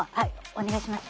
お願いします。